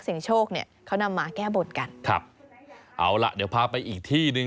โชคเนี่ยเขานำมาแก้บนกันครับเอาล่ะเดี๋ยวพาไปอีกที่หนึ่ง